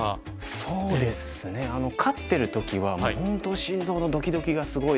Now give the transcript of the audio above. そうですね勝ってる時はもう本当心臓のドキドキがすごいですね。